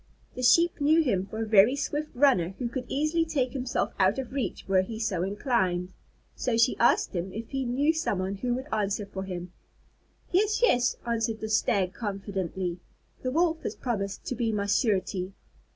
The Sheep knew him for a very swift runner, who could easily take himself out of reach, were he so inclined. So she asked him if he knew someone who would answer for him. "Yes, yes," answered the Stag confidently, "the Wolf has promised to be my surety."